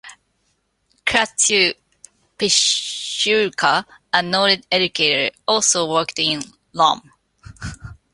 Krastyu Pishurka, a noted educator, also worked in Lom.